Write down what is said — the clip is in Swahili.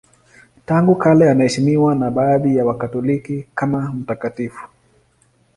Tangu kale anaheshimiwa na baadhi ya Wakatoliki kama mtakatifu.